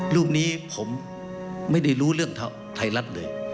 รูปนี้ผมไม่ได้รู้เรื่องไทยรัฐเลย